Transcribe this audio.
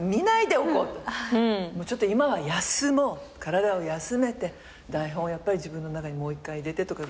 もうちょっと今は休もう体を休めて台本をやっぱり自分の中にもう一回入れてとか。